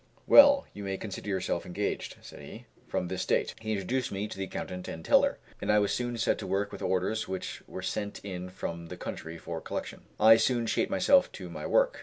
"Well, you may consider yourself engaged," said he, "from this date." He introduced me to the accountant and teller, and I was soon set to work with orders which were sent in from the country for collection. I soon shaped myself to my work.